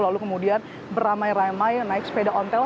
lalu kemudian beramai ramai naik sepeda ontel